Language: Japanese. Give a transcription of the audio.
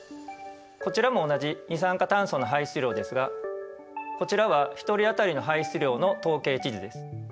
こちらも同じ二酸化炭素の排出量ですがこちらは１人当たりの排出量の統計地図です。